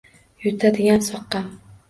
Yutadigan soqqam!